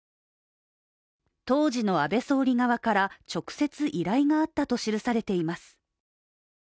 当時の安倍総理側から直接依頼があったと記されています。